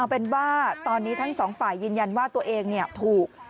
เป็นว่าตอนนี้ทั้งสองฝ่ายยืนยันว่าตัวเองถูก